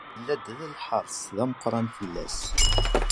Yella-d lḥeṛs d ameqran fell-as.